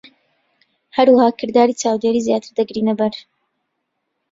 هەروەها، کرداری چاودێری زیاتر دەگرینە بەر.